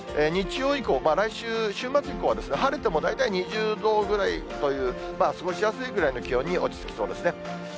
日曜以降、来週週末以降、晴れても大体２０度ぐらいという、過ごしやすいくらいの気温に落ち着きそうですね。